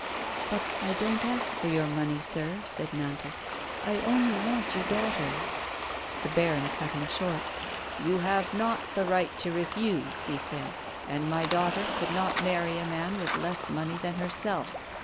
"But I don't ask for your money, sir," said Nantas, "I only want your daughter." The baron cut him short. "You have not the right to refuse," he said, "and my daughter could not marry a man with less money than herself.